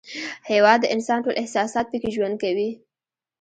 هېواد د انسان ټول احساسات پکې ژوند کوي.